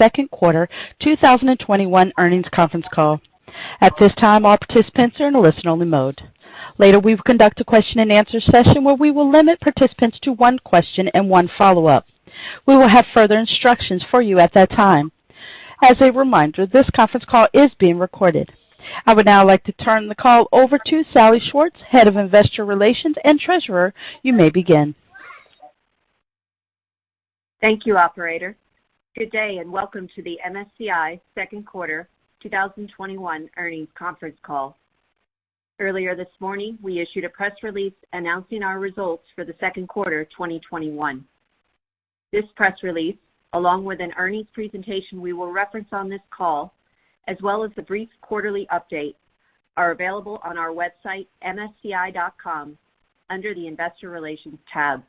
Second quarter 2021 earnings conference call. At this time, all participants are in a listen-only mode. Later, we will conduct a question and answer session where we will limit participants to one question and one follow-up. We will have further instructions for you at that time. As a reminder, this conference call is being recorded. I would now like to turn the call over to Salli Schwartz, Head of Investor Relations and Treasurer. You may begin. Thank you, operator. Good day. Welcome to the MSCI second quarter 2021 earnings conference call. Earlier this morning, we issued a press release announcing our results for the second quarter 2021. This press release, along with an earnings presentation we will reference on this call, as well as the brief quarterly update, are available on our website, msci.com, under the Investor Relations tab.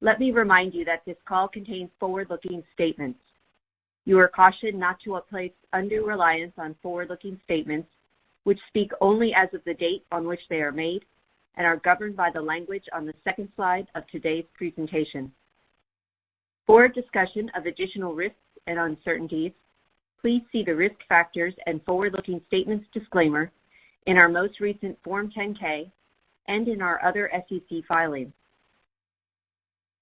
Let me remind you that this call contains forward-looking statements. You are cautioned not to place undue reliance on forward-looking statements, which speak only as of the date on which they are made and are governed by the language on the second slide of today's presentation. For a discussion of additional risks and uncertainties, please see the risk factors and forward-looking statements disclaimer in our most recent Form 10-K and in our other SEC filings.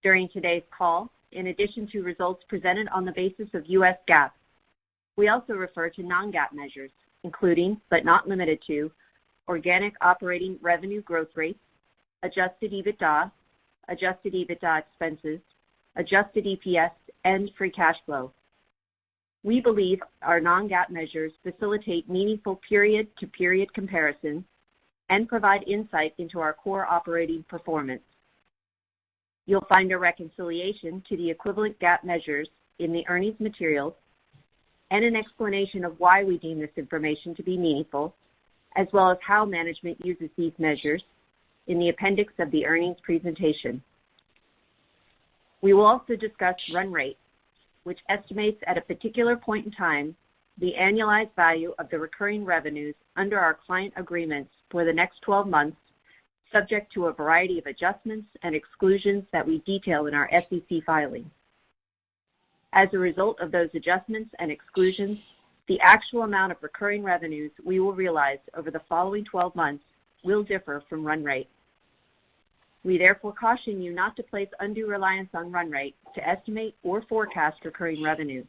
During today's call, in addition to results presented on the basis of U.S. GAAP, we also refer to non-GAAP measures, including, but not limited to, organic operating revenue growth rate, adjusted EBITDA, adjusted EBITDA expenses, adjusted EPS, and free cash flow. We believe our non-GAAP measures facilitate meaningful period-to-period comparisons and provide insight into our core operating performance. You'll find a reconciliation to the equivalent GAAP measures in the earnings materials and an explanation of why we deem this information to be meaningful, as well as how management uses these measures in the appendix of the earnings presentation. We will also discuss run rate, which estimates at a particular point in time the annualized value of the recurring revenues under our client agreements for the next 12 months, subject to a variety of adjustments and exclusions that we detail in our SEC filings. As a result of those adjustments and exclusions, the actual amount of recurring revenues we will realize over the following 12 months will differ from run rate. We therefore caution you not to place undue reliance on run rate to estimate or forecast recurring revenues.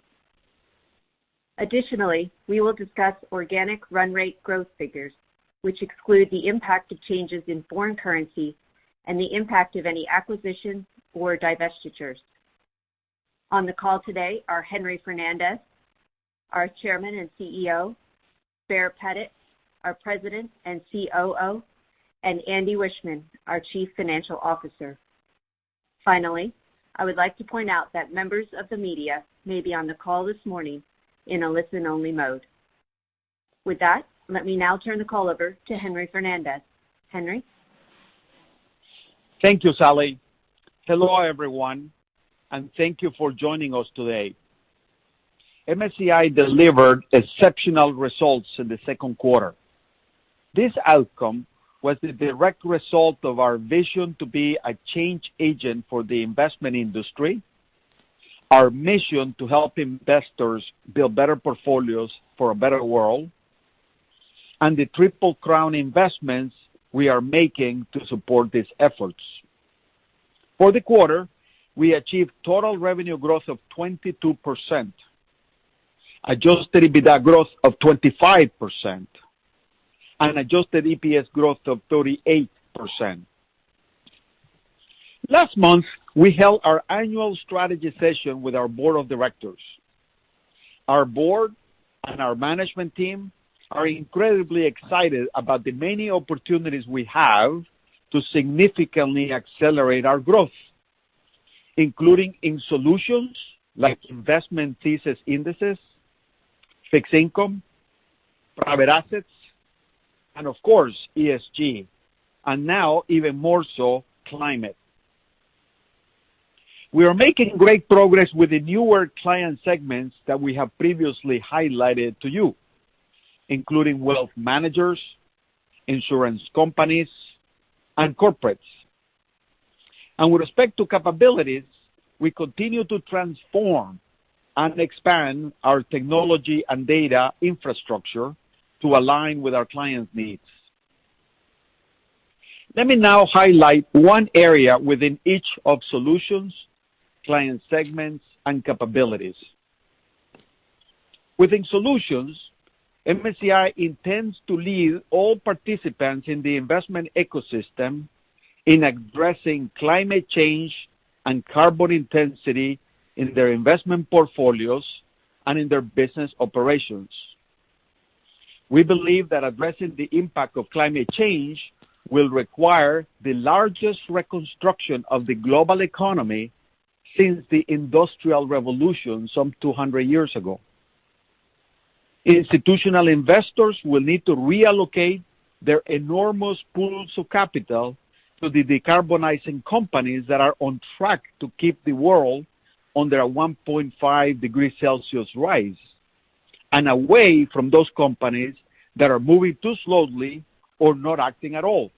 Additionally, we will discuss organic run rate growth figures, which exclude the impact of changes in foreign currency and the impact of any acquisitions or divestitures. On the call today are Henry Fernandez, our Chairman and CEO, Baer Pettit, our President and COO, and Andy Wiechmann, our Chief Financial Officer. Finally, I would like to point out that members of the media may be on the call this morning in a listen-only mode. With that, let me now turn the call over to Henry Fernandez. Henry? Thank you, Salli. Hello, everyone, and thank you for joining us today. MSCI delivered exceptional results in the second quarter. This outcome was the direct result of our vision to be a change agent for the investment industry, our mission to help investors build better portfolios for a better world, and the Triple-Crown investments we are making to support these efforts. For the quarter, we achieved total revenue growth of 22%, adjusted EBITDA growth of 25%, and adjusted EPS growth of 38%. Last month, we held our annual strategy session with our Board of Directors. Our Board and our management team are incredibly excited about the many opportunities we have to significantly accelerate our growth, including in solutions like investment thesis indices, fixed income, private assets, and of course, ESG, and now even more so, climate. We are making great progress with the newer client segments that we have previously highlighted to you, including wealth managers, insurance companies, and corporates. With respect to capabilities, we continue to transform and expand our technology and data infrastructure to align with our clients' needs. Let me now highlight one area within each of solutions, client segments, and capabilities. Within solutions, MSCI intends to lead all participants in the investment ecosystem in addressing climate change and carbon intensity in their investment portfolios and in their business operations. We believe that addressing the impact of climate change will require the largest reconstruction of the global economy since the Industrial Revolution some 200 years ago. Institutional investors will need to reallocate their enormous pools of capital to the decarbonizing companies that are on track to keep the world under a 1.5-degree Celsius rise, and away from those companies that are moving too slowly or not acting at all.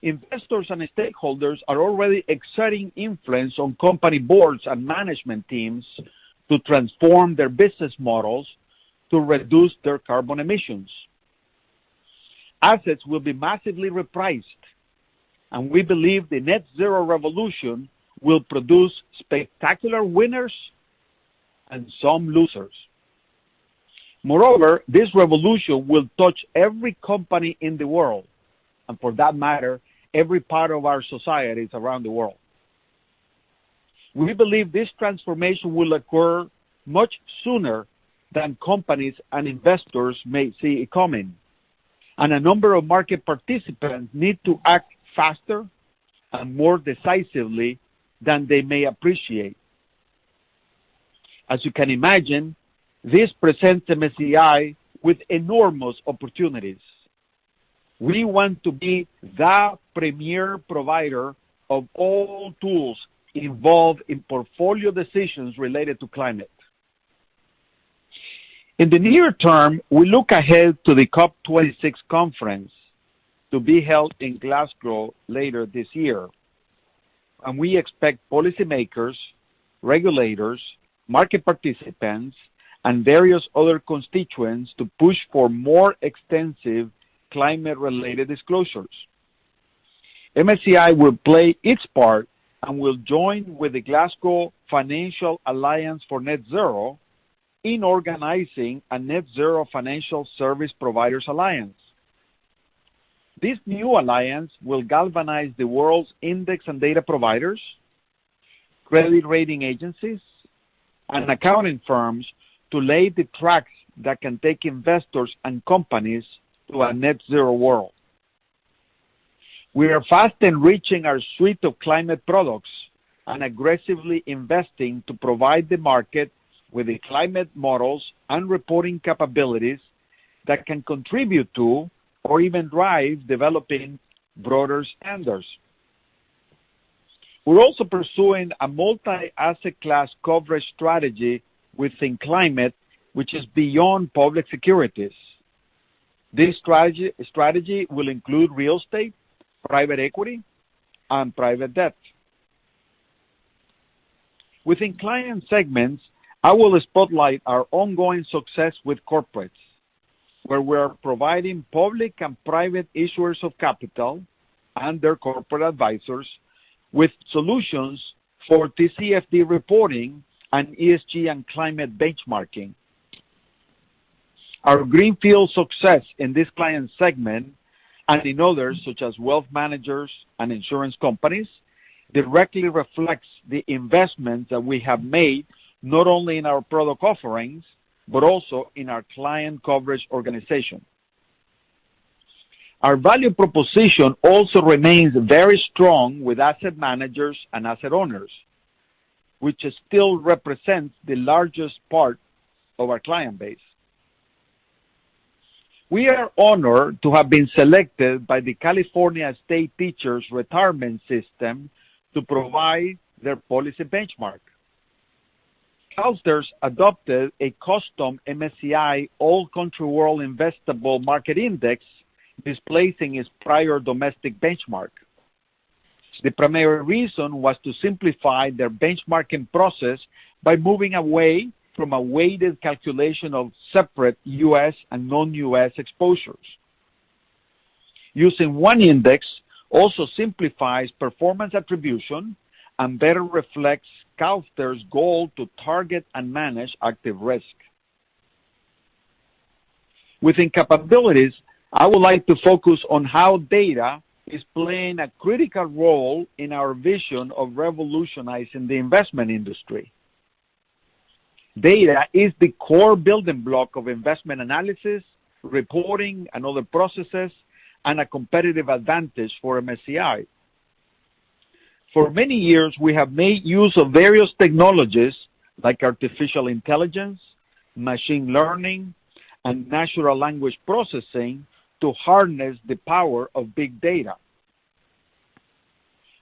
Investors and stakeholders are already exerting influence on company boards and management teams to transform their business models to reduce their carbon emissions. Assets will be massively repriced, and we believe the net-zero revolution will produce spectacular winners and some losers. Moreover, this revolution will touch every company in the world, and for that matter, every part of our societies around the world. We believe this transformation will occur much sooner than companies and investors may see it coming, and a number of market participants need to act faster and more decisively than they may appreciate. As you can imagine, this presents MSCI with enormous opportunities. We want to be the premier provider of all tools involved in portfolio decisions related to climate. In the near term, we look ahead to the COP26 conference to be held in Glasgow later this year, and we expect policymakers, regulators, market participants, and various other constituents to push for more extensive climate-related disclosures. MSCI will play its part and will join with the Glasgow Financial Alliance for Net Zero in organizing a Net Zero Financial Service Providers Alliance. This new alliance will galvanize the world's index and data providers, credit rating agencies, and accounting firms to lay the tracks that can take investors and companies to a net-zero world. We are fast enriching our suite of climate products and aggressively investing to provide the market with the climate models and reporting capabilities that can contribute to or even drive developing broader standards. We're also pursuing a multi-asset class coverage strategy within climate, which is beyond public securities. This strategy will include real estate, private equity, and private debt. Within client segments, I will spotlight our ongoing success with corporates, where we're providing public and private issuers of capital and their corporate advisors with solutions for TCFD reporting and ESG and climate benchmarking. Our greenfield success in this client segment and in others, such as wealth managers and insurance companies, directly reflects the investment that we have made, not only in our product offerings, but also in our client coverage organization. Our value proposition also remains very strong with asset managers and asset owners, which still represents the largest part of our client base. We are honored to have been selected by the California State Teachers' Retirement System to provide their policy benchmark. CalSTRS adopted a custom MSCI All Country World Investable Market Index, displacing its prior domestic benchmark. The primary reason was to simplify their benchmarking process by moving away from a weighted calculation of separate U.S. and non-U.S. exposures. Using one index also simplifies performance attribution and better reflects CalSTRS' goal to target and manage active risk. Within capabilities, I would like to focus on how data is playing a critical role in our vision of revolutionizing the investment industry. Data is the core building block of investment analysis, reporting, and other processes, and a competitive advantage for MSCI. For many years, we have made use of various technologies like artificial intelligence, machine learning, and natural language processing to harness the power of big data.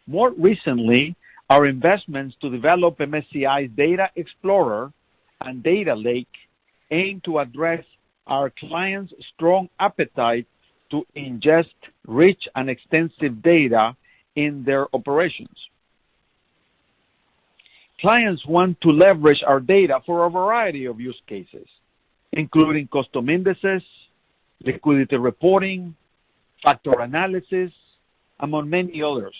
More recently, our investments to develop MSCI's Data Explorer and Data Lake aim to address our clients' strong appetite to ingest rich and extensive data in their operations. Clients want to leverage our data for a variety of use cases, including custom indices, liquidity reporting, factor analysis, among many others.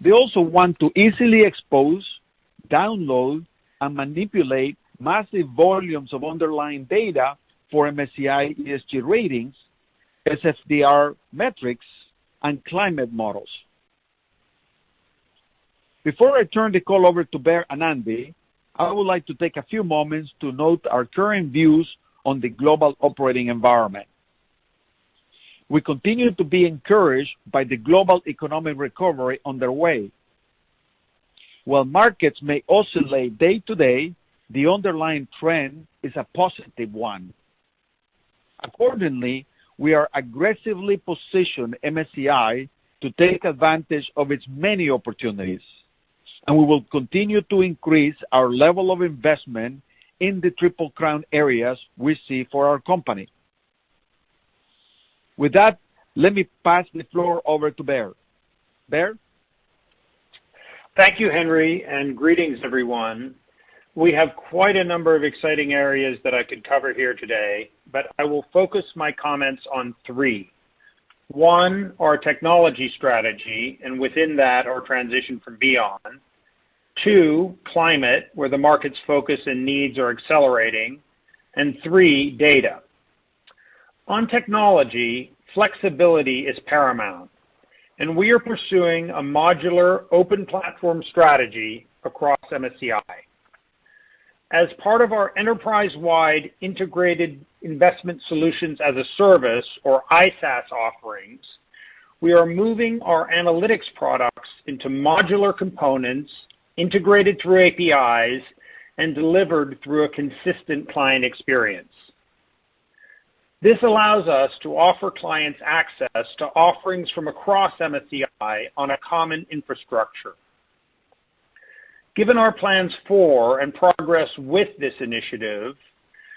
They also want to easily expose, download, and manipulate massive volumes of underlying data for MSCI ESG ratings, SFDR metrics, and climate models. Before I turn the call over to Baer and Andy, I would like to take a few moments to note our current views on the global operating environment. We continue to be encouraged by the global economic recovery underway. While markets may oscillate day-to-day, the underlying trend is a positive one. Accordingly, we are aggressively positioning MSCI to take advantage of its many opportunities. We will continue to increase our level of investment in the Triple-Crown areas we see for our company. With that, let me pass the floor over to Baer. Baer? Thank you, Henry, and greetings everyone. We have quite a number of exciting areas that I could cover here today, but I will focus my comments on three. One, our technology strategy, and within that, our transition from Beon. Two, climate, where the market's focus and needs are accelerating, and three, data. On technology, flexibility is paramount, and we are pursuing a modular open platform strategy across MSCI. As part of our enterprise-wide integrated Investment Solutions as a Service or ISaaS offerings, we are moving our analytics products into modular components, integrated through APIs, and delivered through a consistent client experience. This allows us to offer clients access to offerings from across MSCI on a common infrastructure. Given our plans for and progress with this initiative,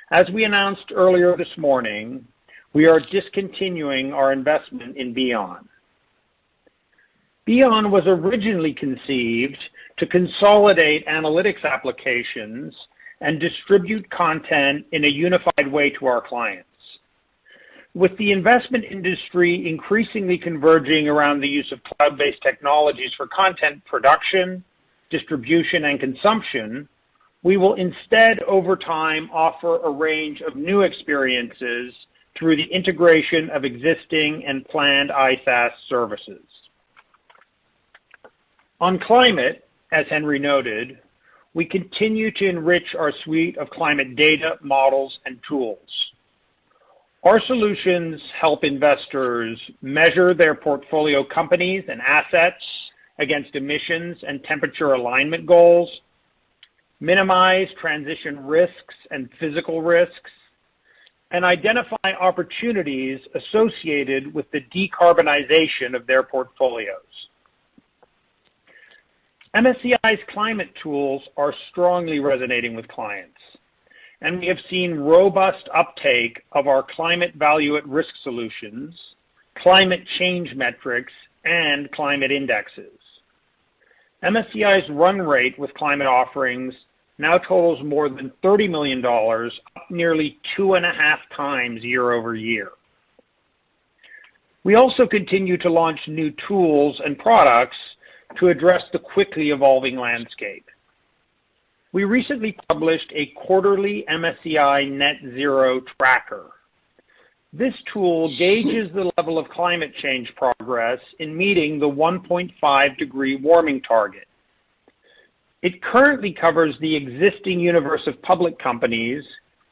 as we announced earlier this morning, we are discontinuing our investment in Beon. Beon was originally conceived to consolidate analytics applications and distribute content in a unified way to our clients. With the investment industry increasingly converging around the use of cloud-based technologies for content production, distribution, and consumption, we will instead, over time, offer a range of new experiences through the integration of existing and planned ISaaS services. On climate, as Henry noted, we continue to enrich our suite of climate data, models, and tools. Our solutions help investors measure their portfolio companies and assets against emissions and temperature alignment goals, minimize transition risks and physical risks, and identify opportunities associated with the decarbonization of their portfolios. MSCI's climate tools are strongly resonating with clients, and we have seen robust uptake of our Climate Value-at-Risk solutions, climate change metrics, and climate indexes. MSCI's run rate with climate offerings now totals more than $30 million, up nearly 2.5x year-over-year. We also continue to launch new tools and products to address the quickly evolving landscape. We recently published a quarterly MSCI Net-Zero Tracker. This tool gauges the level of climate change progress in meeting the 1.5 degree warming target. It currently covers the existing universe of public companies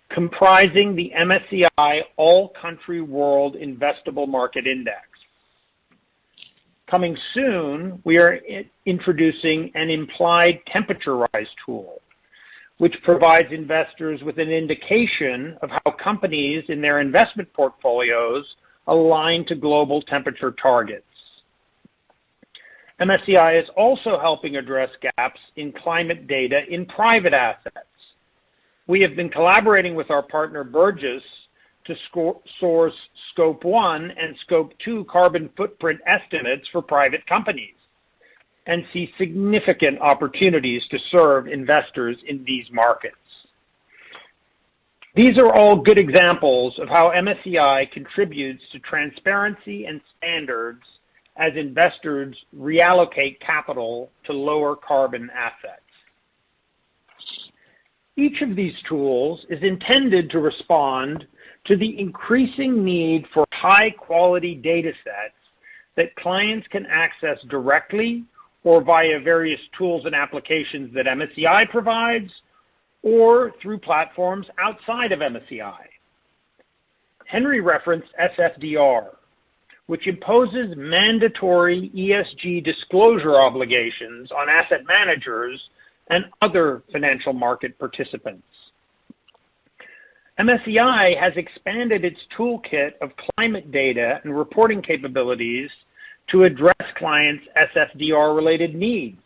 comprising the MSCI All Country World Investable Market Index. Coming soon, we are introducing an Implied Temperature Rise tool, which provides investors with an indication of how companies in their investment portfolios align to global temperature targets. MSCI is also helping address gaps in climate data in private assets. We have been collaborating with our partner, Burgiss, to source Scope 1 and Scope 2 carbon footprint estimates for private companies and see significant opportunities to serve investors in these markets. These are all good examples of how MSCI contributes to transparency and standards as investors reallocate capital to lower-carbon assets. Each of these tools is intended to respond to the increasing need for high-quality data sets that clients can access directly or via various tools and applications that MSCI provides, or through platforms outside of MSCI. Henry referenced SFDR, which imposes mandatory ESG disclosure obligations on asset managers and other financial market participants. MSCI has expanded its toolkit of climate data and reporting capabilities to address clients' SFDR-related needs,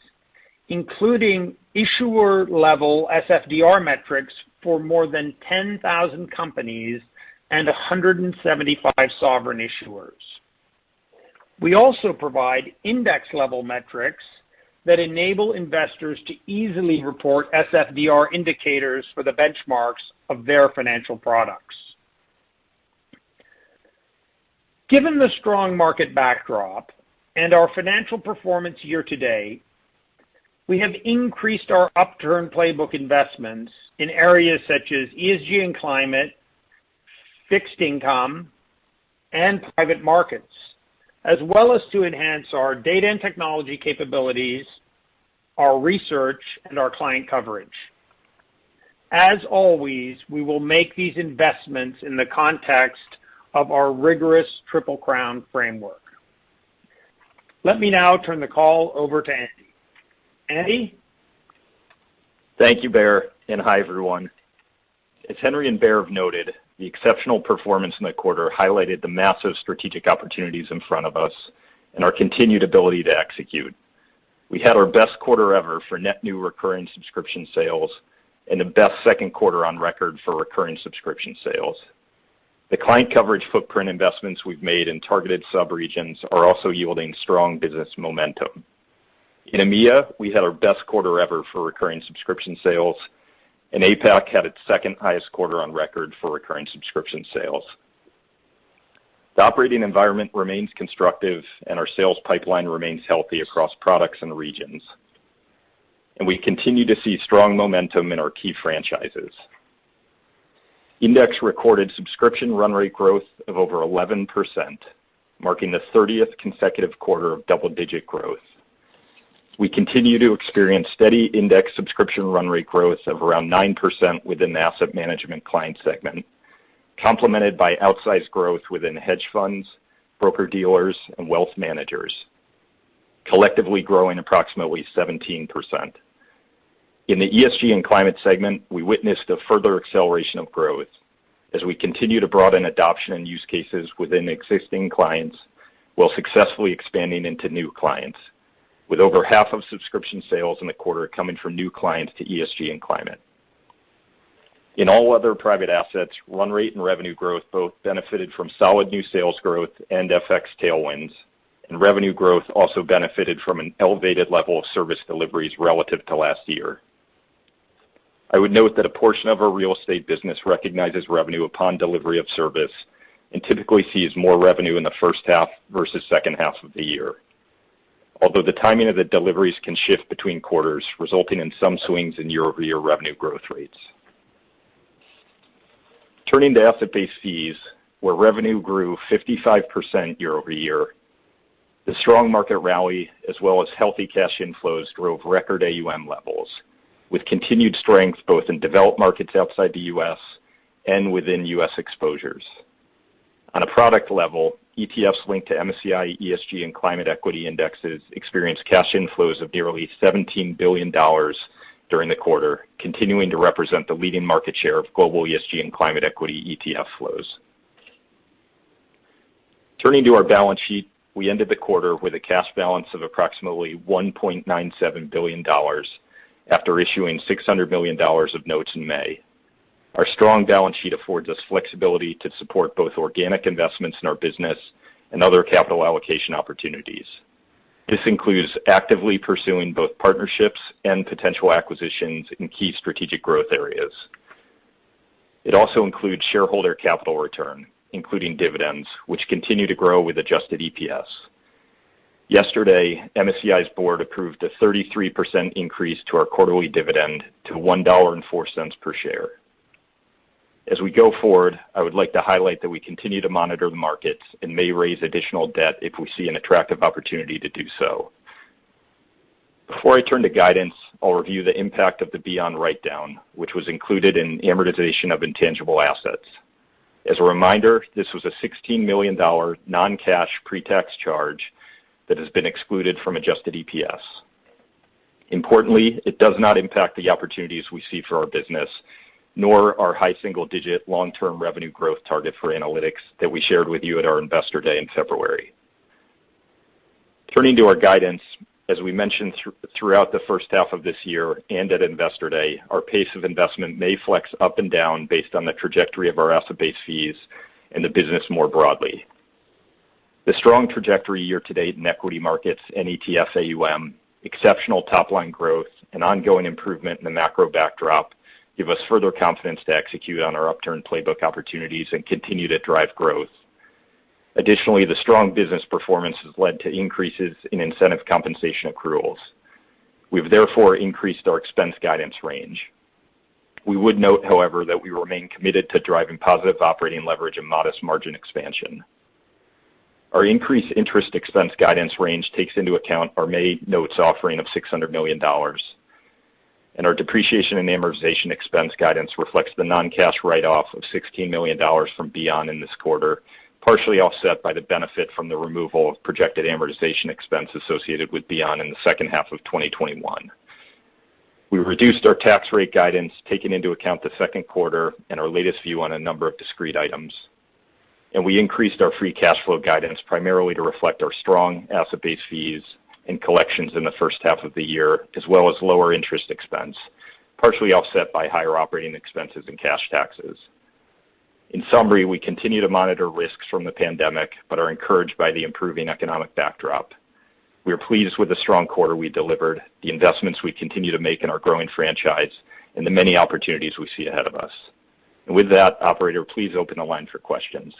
including issuer-level SFDR metrics for more than 10,000 companies and 175 sovereign issuers. We also provide index-level metrics that enable investors to easily report SFDR indicators for the benchmarks of their financial products. Given the strong market backdrop and our financial performance year to date, we have increased our upturn playbook investments in areas such as ESG and climate, fixed income, and private markets, as well as to enhance our data and technology capabilities, our research, and our client coverage. As always, we will make these investments in the context of our rigorous Triple-Crown framework. Let me now turn the call over to Andy. Andy? Thank you, Baer. Hi, everyone. As Henry and Baer have noted, the exceptional performance in the quarter highlighted the massive strategic opportunities in front of us and our continued ability to execute. We had our best quarter ever for net new recurring subscription sales and the best second quarter on record for recurring subscription sales. The client coverage footprint investments we've made in targeted sub-regions are also yielding strong business momentum. In EMEA, we had our best quarter ever for recurring subscription sales, and APAC had its second-highest quarter on record for recurring subscription sales. The operating environment remains constructive, and our sales pipeline remains healthy across products and regions. We continue to see strong momentum in our key franchises. Index recorded subscription run rate growth of over 11%, marking the 30th consecutive quarter of double-digit growth. We continue to experience steady index subscription run rate growth of around 9% within the asset management client segment, complemented by outsized growth within hedge funds, broker-dealers, and wealth managers, collectively growing approximately 17%. In the ESG and climate segment, we witnessed a further acceleration of growth as we continue to broaden adoption and use cases within existing clients while successfully expanding into new clients, with over half of subscription sales in the quarter coming from new clients to ESG and climate. In All Other Private Assets, run rate and revenue growth both benefited from solid new sales growth and FX tailwinds, and revenue growth also benefited from an elevated level of service deliveries relative to last year. I would note that a portion of our real estate business recognizes revenue upon delivery of service and typically sees more revenue in the first half versus second half of the year. Although the timing of the deliveries can shift between quarters, resulting in some swings in year-over-year revenue growth rates. Turning to asset-based fees, where revenue grew 55% year-over-year, the strong market rally as well as healthy cash inflows drove record AUM levels, with continued strength both in developed markets outside the U.S. and within U.S. exposures. On a product level, ETFs linked to MSCI ESG and climate equity indexes experienced cash inflows of nearly $17 billion during the quarter, continuing to represent the leading market share of global ESG and climate equity ETF flows. Turning to our balance sheet, we ended the quarter with a cash balance of approximately $1.97 billion after issuing $600 million of notes in May. Our strong balance sheet affords us flexibility to support both organic investments in our business and other capital allocation opportunities. This includes actively pursuing both partnerships and potential acquisitions in key strategic growth areas. It also includes shareholder capital return, including dividends, which continue to grow with adjusted EPS. Yesterday, MSCI's Board approved a 33% increase to our quarterly dividend to $1.04 per share. As we go forward, I would like to highlight that we continue to monitor the markets and may raise additional debt if we see an attractive opportunity to do so. Before I turn to guidance, I'll review the impact of the Beon write-down, which was included in amortization of intangible assets. As a reminder, this was a $16 million non-cash pre-tax charge that has been excluded from adjusted EPS. Importantly, it does not impact the opportunities we see for our business, nor our high single-digit long-term revenue growth target for analytics that we shared with you at our Investor Day in February. Turning to our guidance, as we mentioned throughout the first half of this year and at Investor Day, our pace of investment may flex up and down based on the trajectory of our asset-based fees and the business more broadly. The strong trajectory year-to-date in equity markets and ETF AUM, exceptional top-line growth, and ongoing improvement in the macro backdrop give us further confidence to execute on our upturn playbook opportunities and continue to drive growth. Additionally, the strong business performance has led to increases in incentive compensation accruals. We've therefore increased our expense guidance range. We would note, however, that we remain committed to driving positive operating leverage and modest margin expansion. Our increased interest expense guidance range takes into account our May notes offering of $600 million, and our depreciation and amortization expense guidance reflects the non-cash write-off of $16 million from Beon in this quarter, partially offset by the benefit from the removal of projected amortization expense associated with Beon in the second half of 2021. We reduced our tax rate guidance, taking into account the second quarter and our latest view on a number of discrete items, and we increased our free cash flow guidance primarily to reflect our strong asset-based fees and collections in the first half of the year as well as lower interest expense, partially offset by higher operating expenses and cash taxes. In summary, we continue to monitor risks from the pandemic but are encouraged by the improving economic backdrop. We are pleased with the strong quarter we delivered, the investments we continue to make in our growing franchise, and the many opportunities we see ahead of us. With that, operator, please open the line for questions.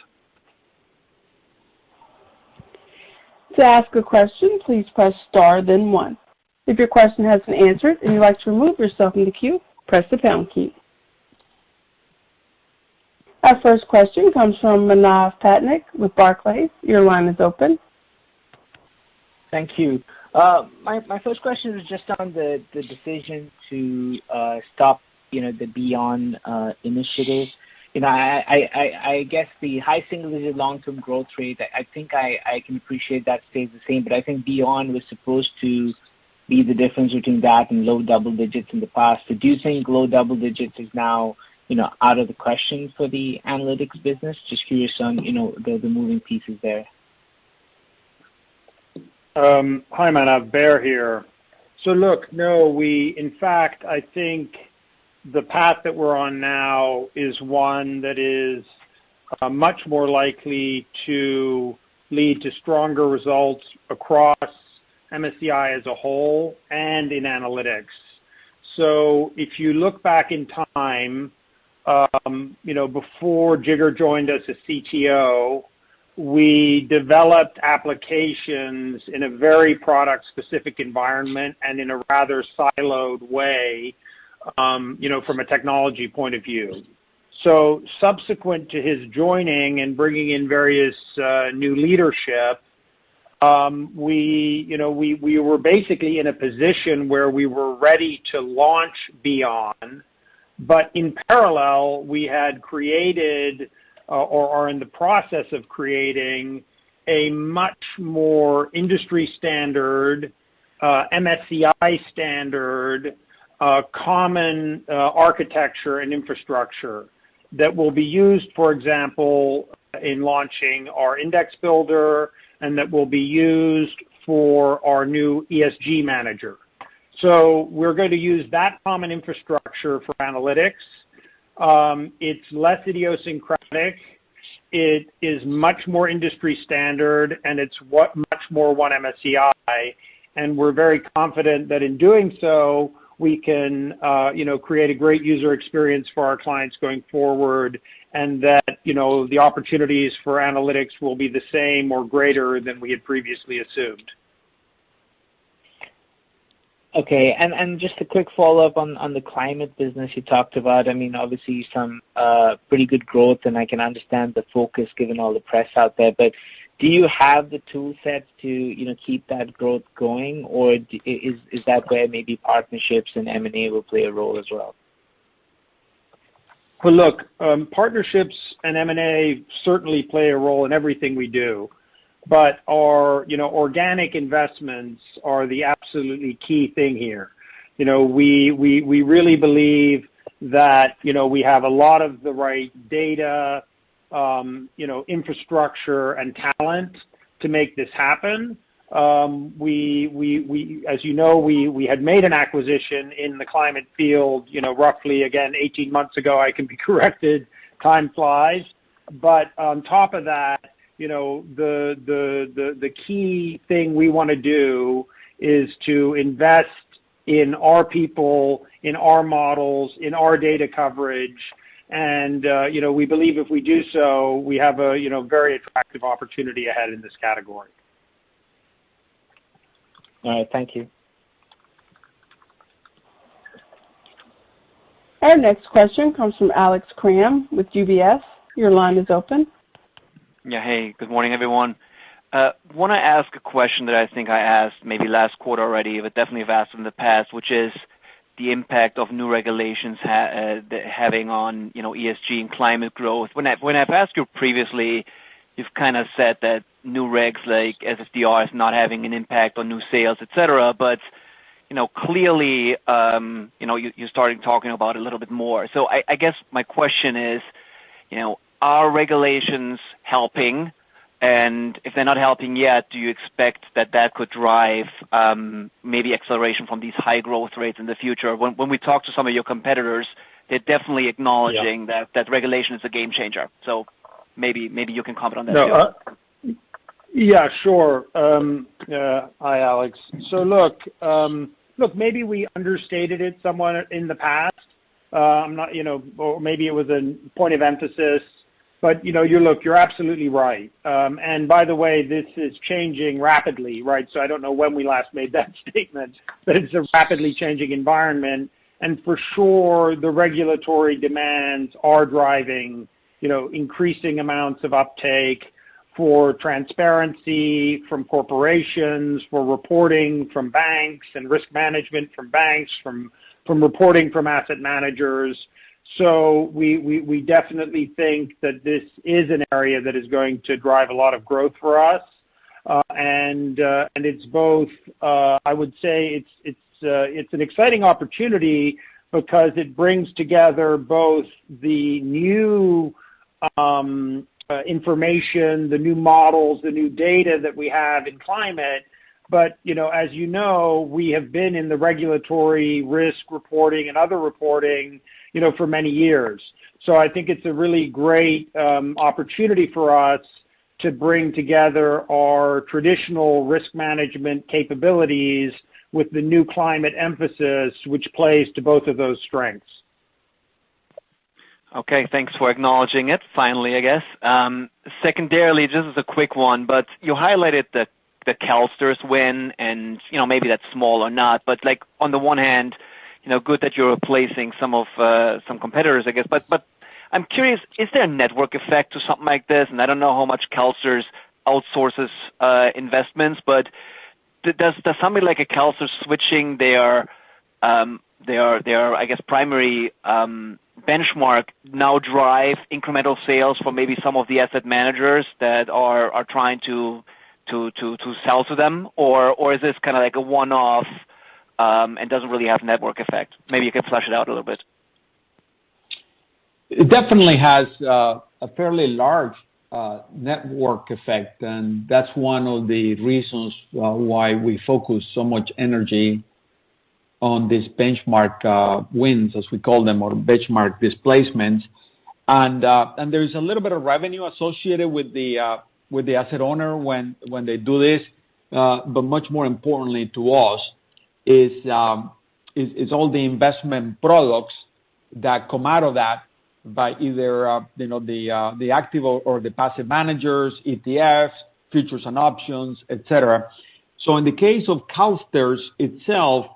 To ask a question, please press star then one. If your question has been answered and you'd like to remove yourself in the queue, press the pound key. Our first question comes from Manav Patnaik with Barclays. Your line is open. Thank you. My first question is just on the decision to stop the Beon initiative. I guess the high single digit long-term growth rate, I think I can appreciate that stays the same, but I think Beon was supposed to be the difference between that and low double digits in the past. Do you think low double digits is now out of the question for the analytics business? Just curious on the moving pieces there. Hi, Manav. Baer here. Look, no, in fact, I think the path that we're on now is one that is much more likely to lead to stronger results across MSCI as a whole and in analytics. If you look back in time, before Jigar joined us as CTO, we developed applications in a very product-specific environment and in a rather siloed way from a technology point of view. Subsequent to his joining and bringing in various new leadership, we were basically in a position where we were ready to launch Beon. In parallel, we had created, or are in the process of creating, a much more industry standard, MSCI standard, common architecture and infrastructure that will be used, for example, in launching our Index Builder, and that will be used for our new ESG Manager. We're going to use that common infrastructure for analytics. It's less idiosyncratic, it is much more industry standard, and it's much more one MSCI, and we're very confident that in doing so, we can create a great user experience for our clients going forward, and that the opportunities for analytics will be the same or greater than we had previously assumed. Okay, just a quick follow-up on the climate business you talked about. Obviously some pretty good growth, and I can understand the focus given all the press out there, but do you have the tool set to keep that growth going, or is that where maybe partnerships and M&A will play a role as well? Well, look, partnerships and M&A certainly play a role in everything we do, but our organic investments are the absolutely key thing here. We really believe that we have a lot of the right data, infrastructure, and talent to make this happen. As you know, we had made an acquisition in the climate field roughly, again, 18 months ago. I can be corrected. Time flies. On top of that, the key thing we want to do is to invest in our people, in our models, in our data coverage, and we believe if we do so, we have a very attractive opportunity ahead in this category. All right. Thank you. Our next question comes from Alex Kramm with UBS. Your line is open. Yeah, hey. Good morning, everyone. I want to ask a question that I think I asked maybe last quarter already, but definitely have asked in the past, which is the impact of new regulations having on ESG and climate growth. When I've asked you previously, you've kind of said that new regs like SFDR is not having an impact on new sales, et cetera, but clearly, you're starting talking about it a little bit more. I guess my question is, are regulations helping? If they're not helping yet, do you expect that that could drive maybe acceleration from these high growth rates in the future? When we talk to some of your competitors, they're definitely acknowledging. Yeah. That regulation is a game changer. Maybe you can comment on that as well. Sure. Hi, Alex. Look, maybe we understated it somewhat in the past, or maybe it was a point of emphasis, look, you're absolutely right. By the way, this is changing rapidly, right? I don't know when we last made that statement, it's a rapidly changing environment, for sure, the regulatory demands are driving increasing amounts of uptake for transparency from corporations, for reporting from banks, and risk management from banks, from reporting from asset managers. We definitely think that this is an area that is going to drive a lot of growth for us. It's both, I would say it's an exciting opportunity because it brings together both the new information, the new models, the new data that we have in climate, as you know, we have been in the regulatory risk reporting and other reporting for many years. I think it's a really great opportunity for us to bring together our traditional risk management capabilities with the new climate emphasis, which plays to both of those strengths. Okay, thanks for acknowledging it, finally, I guess. Secondarily, this is a quick one, but you highlighted the CalSTRS win, and maybe that's small or not, but on the one hand, good that you're replacing some competitors, I guess. I'm curious, is there a network effect to something like this? I don't know how much CalSTRS outsources investments. Does somebody like a CalSTRS switching their, I guess, primary benchmark now drive incremental sales for maybe some of the asset managers that are trying to sell to them? Is this kind of like a one-off, and doesn't really have network effect? Maybe you could flesh it out a little bit. It definitely has a fairly large network effect, that's one of the reasons why we focus so much energy on these benchmark wins, as we call them, or benchmark displacements. There's a little bit of revenue associated with the asset owner when they do this. Much more importantly to us is all the investment products that come out of that by either the active or the passive managers, ETFs, futures and options, et cetera. In the case of CalSTRS itself,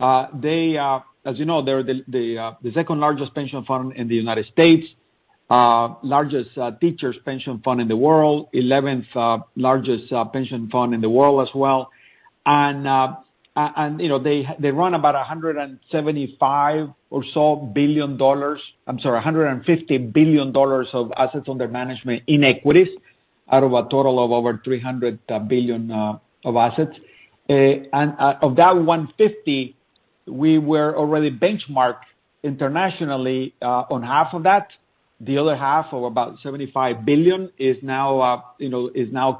as you know, they're the second-largest pension fund in the United States, largest teachers' pension fund in the world, 11th largest pension fund in the world as well. They run about $150 billion of assets under management in equities out of a total of over $300 billion of assets. Of that $150 billion, we were already benchmarked internationally on half of that. The other half, or about $75 billion, is now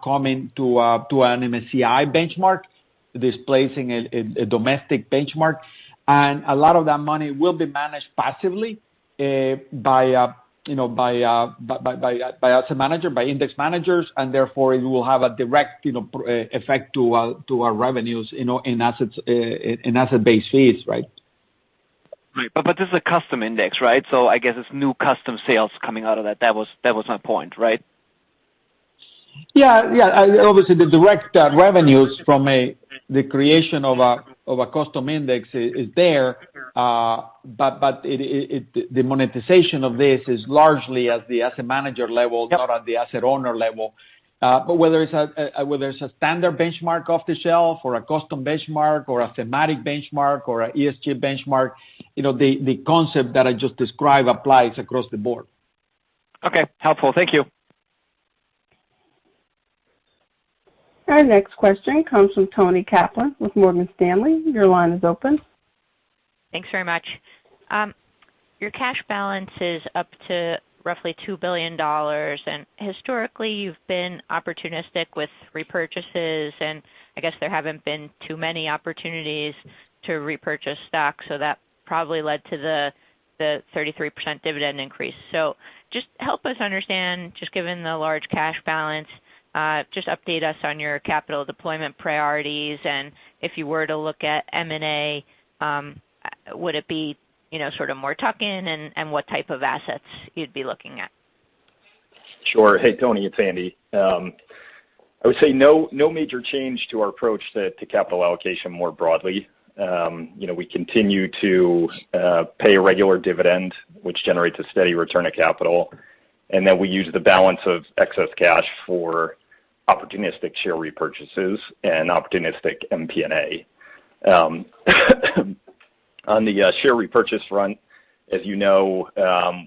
coming to an MSCI benchmark, displacing a domestic benchmark. A lot of that money will be managed passively by asset manager, by index managers, and therefore, it will have a direct effect to our revenues in asset-based fees, right? Right. This is a custom index, right? I guess it's new custom sales coming out of that. That was my point, right? Yeah. Obviously, the direct revenues from the creation of a custom index is there. The monetization of this is largely at the asset manager level. Yep. Not at the asset-owner level. Whether it's a standard benchmark off the shelf, or a custom benchmark, or a thematic benchmark, or a ESG benchmark, the concept that I just described applies across the board. Okay. Helpful. Thank you. Our next question comes from Toni Kaplan with Morgan Stanley. Your line is open. Thanks very much. Your cash balance is up to roughly $2 billion. Historically, you've been opportunistic with repurchases, and I guess there haven't been too many opportunities to repurchase stocks, so that probably led to the 33% dividend increase. Just help us understand, just given the large cash balance, just update us on your capital deployment priorities, and if you were to look at M&A, would it be sort of more tuck-in, and what type of assets you'd be looking at? Sure. Hey, Toni, it's Andy. I would say no major change to our approach to capital allocation more broadly. We continue to pay a regular dividend, which generates a steady return of capital. We use the balance of excess cash for opportunistic share repurchases and opportunistic MP&A. On the share repurchase front, as you know,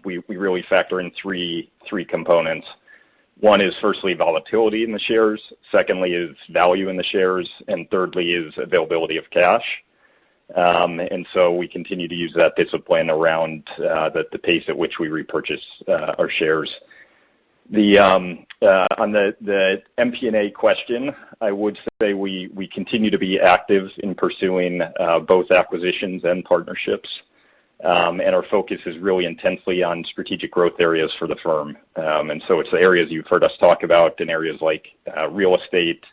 we really factor in three components. One is firstly, volatility in the shares, secondly is value in the shares, and thirdly is availability of cash. We continue to use that discipline around the pace at which we repurchase our shares. On the MP&A question, I would say we continue to be active in pursuing both acquisitions and partnerships. Our focus is really intensely on strategic growth areas for the firm. It's the areas you've heard us talk about, in areas like real estate,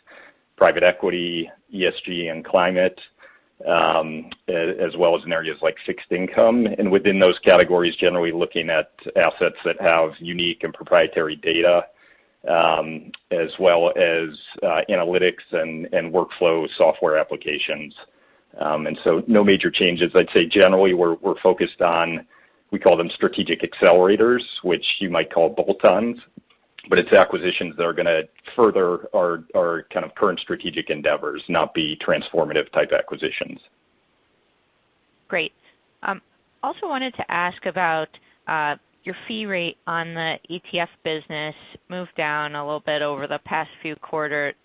private equity, ESG and climate, as well as in areas like fixed income. Within those categories, generally looking at assets that have unique and proprietary data, as well as analytics and workflow software applications. No major changes. I'd say generally, we're focused on, we call them strategic accelerators, which you might call bolt-ons, but it's acquisitions that are going to further our kind of current strategic endeavors, not be transformative type acquisitions. Great. Also wanted to ask about your fee rate on the ETF business moved down a little bit over the past two quarters.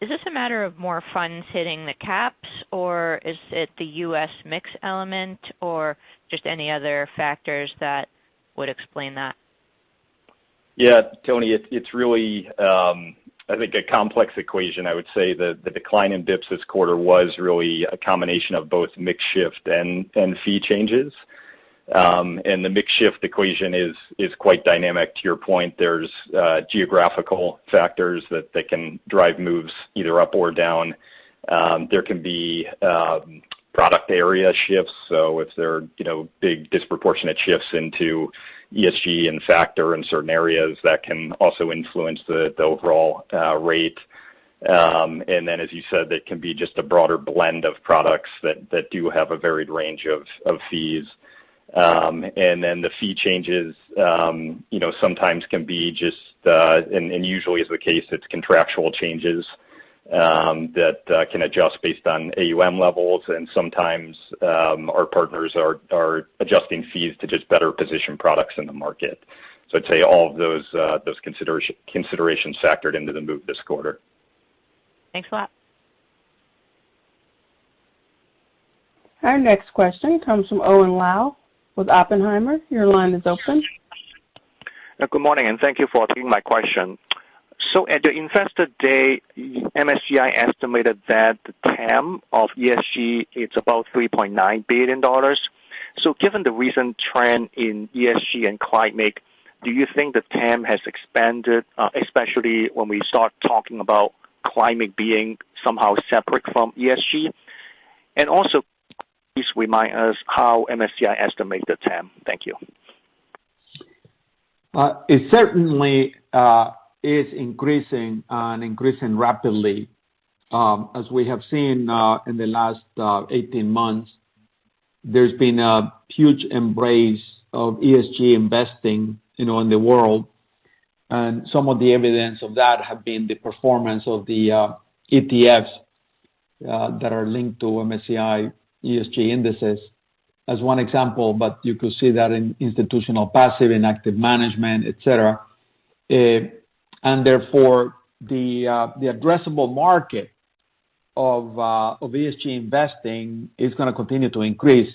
Is this a matter of more funds hitting the caps, or is it the U.S. mix element, or just any other factors that would explain that? Yeah, Toni. It's really, I think, a complex equation. I would say the decline in basis points this quarter was really a combination of both mix shift and fee changes. The mix shift equation is quite dynamic. To your point, there's geographical factors that can drive moves either up or down. There can be product area shifts. If there are big disproportionate shifts into ESG and factor in certain areas, that can also influence the overall rate. As you said, that can be just a broader blend of products that do have a varied range of fees. The fee changes sometimes can be just, and usually is the case, it's contractual changes that can adjust based on AUM levels, and sometimes our partners are adjusting fees to just better position products in the market. I'd say all of those considerations factored into the move this quarter. Thanks a lot. Our next question comes from Owen Lau with Oppenheimer. Your line is open. Good morning, and thank you for taking my question. At the Investor Day, MSCI estimated that the TAM of ESG, it's about $3.9 billion. Given the recent trend in ESG and climate, do you think the TAM has expanded, especially when we start talking about climate being somehow separate from ESG? Also, please remind us how MSCI estimated TAM. Thank you. It certainly is increasing and increasing rapidly. As we have seen in the last 18 months, there's been a huge embrace of ESG investing in the world, and some of the evidence of that have been the performance of the ETFs that are linked to MSCI ESG indices, as one example, but you could see that in institutional passive and active management, et cetera. Therefore, the addressable market of ESG investing is going to continue to increase.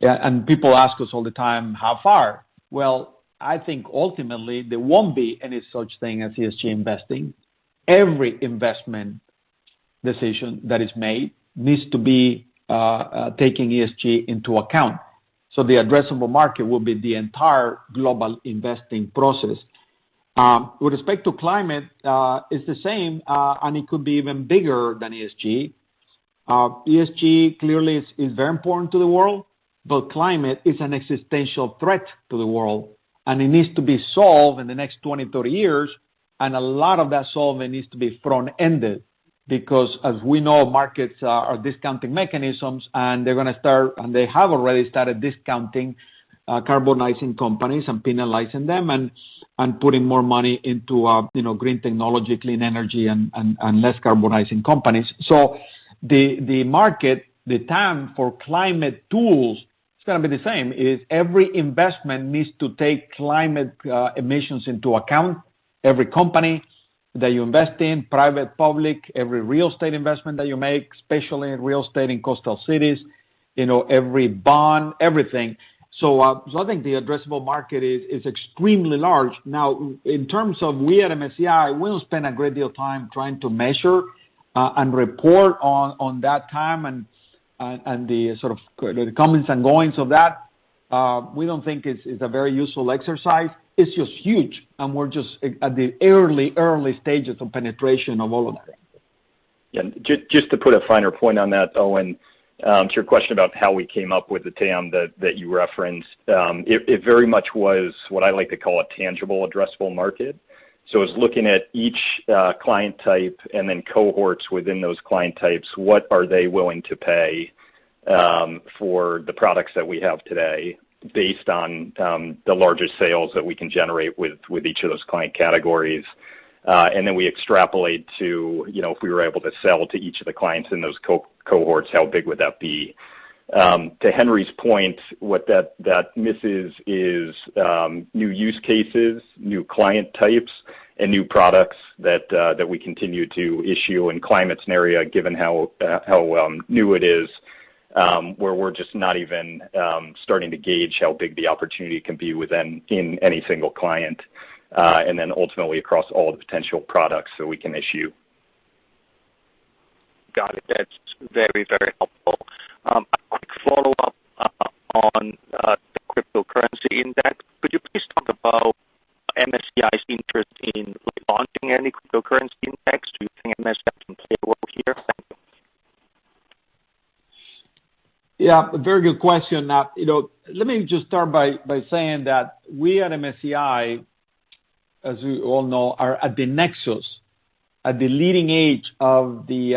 People ask us all the time, how far? Well, I think ultimately, there won't be any such thing as ESG investing. Every investment decision that is made needs to be taking ESG into account. The addressable market will be the entire global investing process. With respect to climate, it's the same, and it could be even bigger than ESG. ESG clearly is very important to the world, but climate is an existential threat to the world, and it needs to be solved in the next 20, 30 years, and a lot of that solving needs to be front-ended because as we know, markets are discounting mechanisms, and they're going to start, and they have already started discounting carbonizing companies and penalizing them and putting more money into green technology, clean energy, and less carbonizing companies. The market, the TAM for climate tools, it's going to be the same, is every investment needs to take climate emissions into account. Every company that you invest in, private, public, every real estate investment that you make, especially in real estate in coastal cities, every bond, everything. I think the addressable market is extremely large. In terms of we at MSCI, we don't spend a great deal of time trying to measure and report on that TAM and the sort of the comings and goings of that. We don't think it's a very useful exercise. It's just huge, and we're just at the early stages of penetration of all of that. Yeah, just to put a finer point on that, Owen, to your question about how we came up with the TAM that you referenced. It very much was what I like to call a tangible addressable market. It's looking at each client type and then cohorts within those client types, what are they willing to pay for the products that we have today based on the larger sales that we can generate with each of those client categories. We extrapolate to if we were able to sell to each of the clients in those cohorts, how big would that be. To Henry's point, what that misses is new use cases, new client types, and new products that we continue to issue. Climate's an area, given how new it is, where we're just not even starting to gauge how big the opportunity can be within any single client, and then ultimately across all the potential products that we can issue. Got it. That's very helpful. A quick follow-up on the cryptocurrency index. Could you please talk about MSCI's interest in launching any cryptocurrency index? Do you think MSCI can play a role here? Thank you. Yeah, a very good question. Let me just start by saying that we at MSCI, as we all know, are at the nexus, at the leading edge of the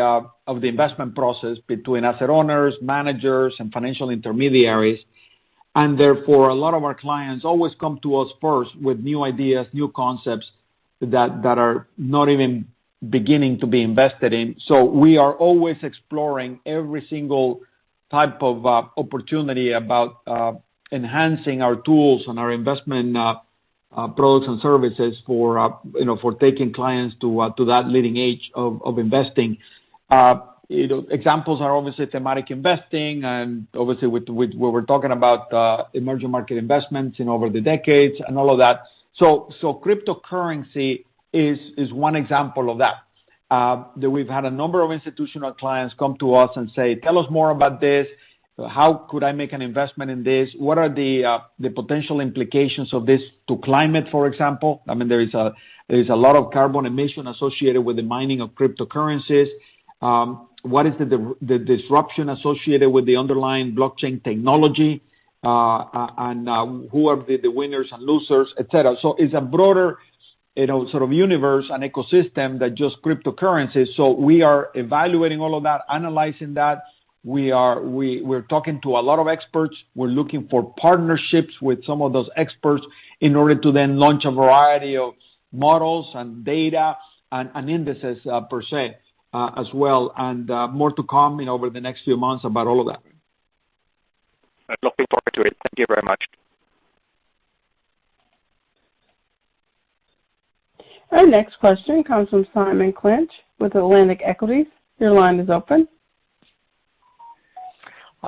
investment process between asset owners, managers, and financial intermediaries. Therefore, a lot of our clients always come to us first with new ideas, new concepts that are not even beginning to be invested in. We are always exploring every single type of opportunity about enhancing our tools and our investment products and services for taking clients to that leading edge of investing. Examples are obviously thematic investing and obviously where we're talking about emerging market investments over the decades and all of that. Cryptocurrency is one example of that. That we've had a number of institutional clients come to us and say, "Tell us more about this. How could I make an investment in this? What are the potential implications of this to climate, for example? There is a lot of carbon emission associated with the mining of cryptocurrencies. What is the disruption associated with the underlying blockchain technology? Who are the winners and losers, et cetera. It's a broader sort of universe and ecosystem than just cryptocurrencies. We are evaluating all of that, analyzing that. We're talking to a lot of experts. We're looking for partnerships with some of those experts in order to then launch a variety of models and data and indices per se as well, and more to come over the next few months about all of that. I'm looking forward to it. Thank you very much. Our next question comes from Simon Clinch with Atlantic Equities. Your line is open.